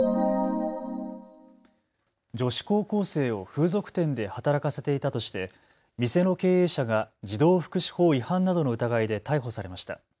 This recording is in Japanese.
女子高校生を風俗店で働かせていたとして店の経営者が児童福祉法違反などの疑いで逮捕されました。